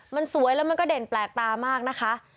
มันสวยแล้วมันก็เด่นแปลกตามากนะคะ